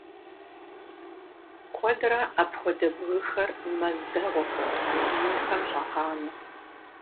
Куэдрэ апхуэдэ бгыхэр мэз дэгъуэхэм, инхэм щӀагъанэ.